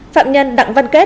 phạm nhân đặng văn kết